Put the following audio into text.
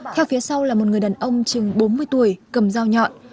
theo phía sau là một người đàn ông chừng bốn mươi tuổi cầm dao nhọn